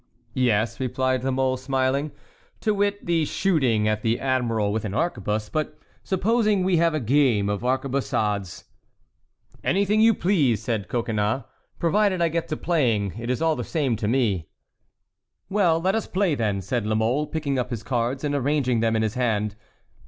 "Yes," replied La Mole, smiling; "to wit, the shooting at the admiral with an arquebuse; but supposing we have a game of arquebusades." "Anything you please," said Coconnas, "provided I get to playing, it is all the same to me." "Well, let us play, then," said La Mole, picking up his cards and arranging them in his hand.